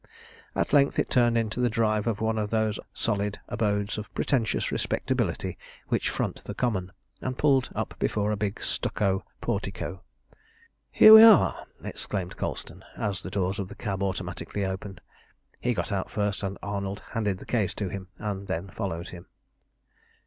At length it turned into the drive of one of those solid abodes of pretentious respectability which front the Common, and pulled up before a big stucco portico. "Here we are!" exclaimed Colston, as the doors of the cab automatically opened. He got out first, and Arnold handed the case to him, and then followed him.